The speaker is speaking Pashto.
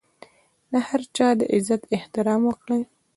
د هر چا د عزت احترام وکړئ.